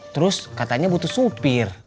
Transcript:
terus katanya butuh sopir